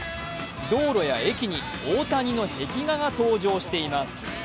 道路や駅に大谷の壁画が登場しています。